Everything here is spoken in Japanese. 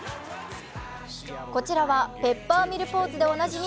こちらはペッパーミルポーズでおなじみ